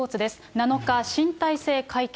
７日、新体制会見。